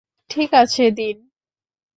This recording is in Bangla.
ঠিক আছে দিন!